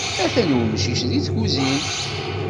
Atan umcic deg tkuzint.